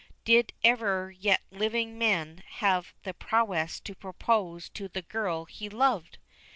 Did ever yet living man have the prowess to propose to the girl he loved!